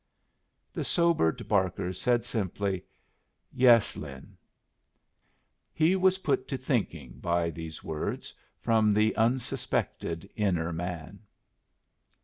The sobered Barker said, simply, "Yes, Lin." He was put to thinking by these words from the unsuspected inner man.